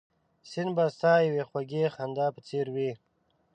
سیند به ستا یوې خوږې خندا په څېر وي